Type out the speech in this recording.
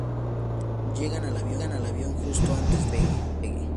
Llegan al avión justo antes de que despegue.